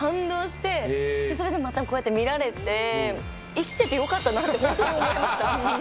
生きててよかったなってホントに思いました。